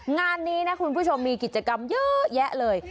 งานนี้นะคุณผู้ชมมีกิจกรรมเยอะแยะเลย